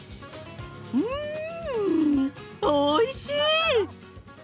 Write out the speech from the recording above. うんおいしい！